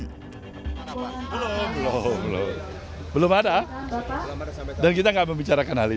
belum belum belum belum ada dan kita gak membicarakan hal itu